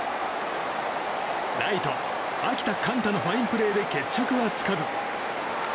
ライト秋田幹太のファインプレーで決着はつかず。